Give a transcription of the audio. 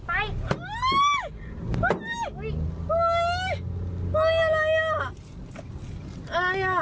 อุ๊ยอะไรอ่ะ